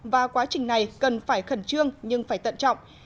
và quá trình này cần phải khẩn trương nhưng phải tận trọng